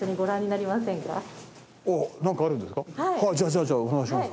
じゃあじゃあお願いします。